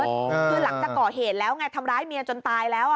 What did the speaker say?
คือหลังจากก่อเหตุแล้วไงทำร้ายเมียจนตายแล้ว